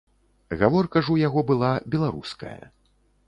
Гаворка ж у яго была беларуская.